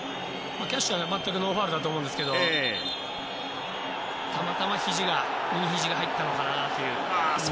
キャッシュは全くノーファウルだと思うんですけどたまたま右ひじが入ったのかなという。